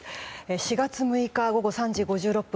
４月６日、午後３時５６分